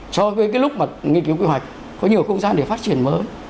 so với cái lúc mà nghiên cứu quy hoạch có nhiều không gian để phát triển mới